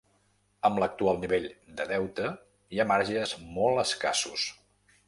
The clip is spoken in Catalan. Amb l’actual nivell de deute, hi ha marges molt escassos.